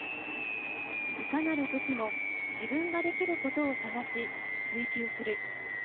いかなるときも自分ができることを探し追求する。